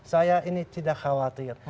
saya ini tidak khawatir